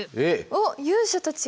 おっ勇者たちが？